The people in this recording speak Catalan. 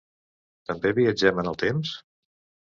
També viatgem en el temps?